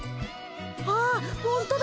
ああほんとだ。